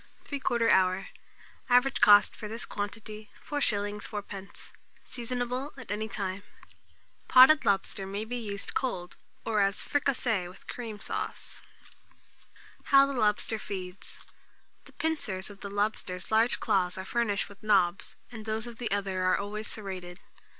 Time. 3/4 hour. Average cost for this quantity, 4s. 4d. Seasonable at any time. Note. Potted lobster may be used cold, or as fricassee with cream sauce. How the Lobster Feeds. The pincers of the lobster's large claws are furnished with nobs, and those of the other, are always serrated.